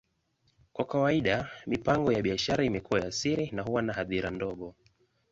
Kwa kawaida, mipango ya biashara imekuwa ya siri na huwa na hadhira ndogo.